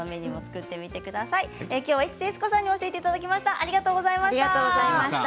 市瀬悦子さんに教えていただきました。